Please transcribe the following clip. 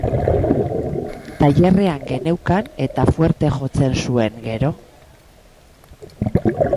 Tailerrean geneukan, eta fuerte jotzen zuen, gero.